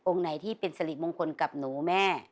ไหนที่เป็นสริมงคลกับหนูแม่